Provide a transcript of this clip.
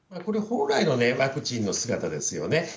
これ、本来のワクチンの姿ですよね。